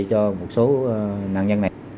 chúng tôi đã giải quyết cho một số nạn nhân này